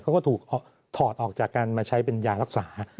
เขาก็ถูกถอดออกจากการมาใช้เป็นยารักษา